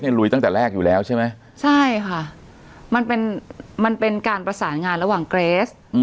ลุยตั้งแต่แรกอยู่แล้วใช่ไหมใช่ค่ะมันเป็นมันเป็นการประสานงานระหว่างเกรส